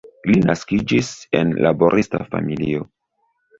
Li naskiĝis en laborista familio.